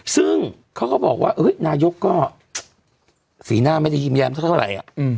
ซึ่งเขาก็บอกว่านายกก็สีหน้าไม่ได้ยิ้มแม้เท่าไหร่